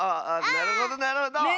なるほどなるほど。ね。